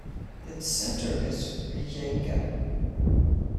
Its center is Rijeka.